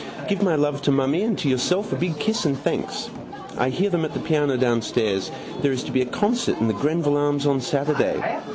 Give my love to mummy and to yourself a big kiss and thanks. I hear them at the piano downstairs. There is to be a concert in the Greville Arms on Saturday.